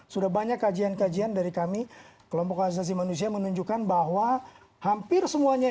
sudah banyak kajian kajian dari kami kelompok asasi manusia menunjukkan bahwa hampir semuanya